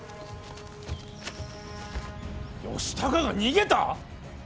義高が逃げた！？